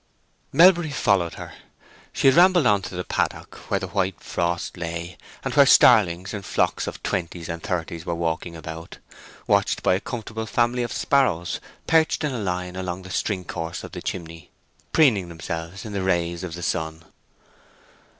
Melbury followed her. She had rambled on to the paddock, where the white frost lay, and where starlings in flocks of twenties and thirties were walking about, watched by a comfortable family of sparrows perched in a line along the string course of the chimney, preening themselves in the rays of the sun.